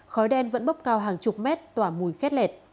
khói đen vẫn bốc cao hàng chục mét tỏa mùi khét lẹt